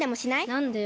なんでよ？